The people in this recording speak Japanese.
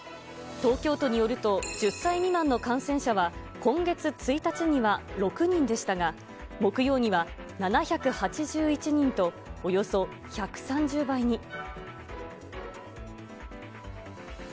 東京都によると、１０歳未満の感染者は、今月１日には６人でしたが、木曜には７８１人と、およそ１３０倍に。